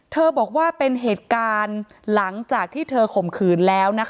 บอกว่าเป็นเหตุการณ์หลังจากที่เธอข่มขืนแล้ว